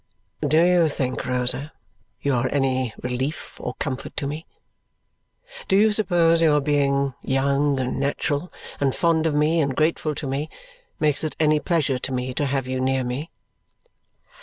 "Do you think, Rosa, you are any relief or comfort to me? Do you suppose your being young and natural, and fond of me and grateful to me, makes it any pleasure to me to have you near me?"